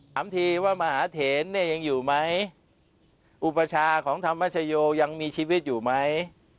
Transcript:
ถามทีว่ามหาเถนเนี่ยยังอยู่ไหมอุปชาของธรรมชโยยังมีชีวิตอยู่ไหม